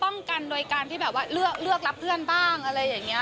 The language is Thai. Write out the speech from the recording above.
กันโดยการที่แบบว่าเลือกรับเพื่อนบ้างอะไรอย่างนี้